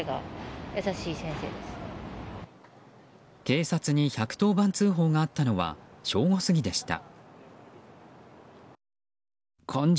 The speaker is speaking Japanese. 警察に１１０番通報があったのは正午過ぎでした。